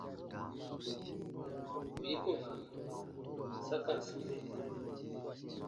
Bù yikoba saka sĩire.